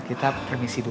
kita permisi dulu